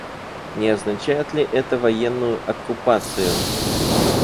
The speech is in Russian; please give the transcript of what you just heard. Не означает ли это военную оккупацию?